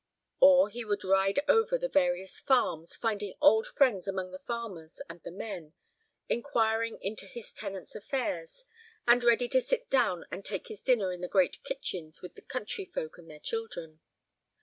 Or he would ride over the various farms, finding old friends among the farmers and the men, inquiring into his tenants' affairs, and ready to sit down and take his dinner in the great kitchens with the country folk and their children.